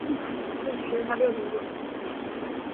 发现只剩下六分钟